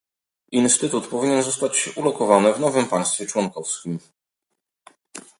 Instytut powinien zostać ulokowany w nowym państwie członkowskim